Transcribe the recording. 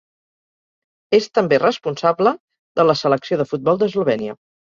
És també responsable de la Selecció de futbol d'Eslovènia.